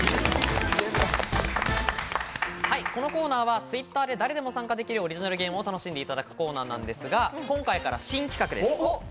このコーナーはＴｗｉｔｔｅｒで誰も参加できるオリジナルゲームを楽しんでいただくコーナーなんですが、今回から新企画です。